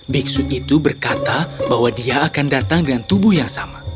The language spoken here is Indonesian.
biksu itu berkata bahwa dia akan datang dengan tubuh yang sama